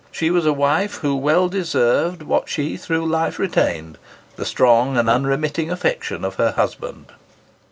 She was a wife who well deserved, what she through life retained, the strong and unremitting affection of her husband.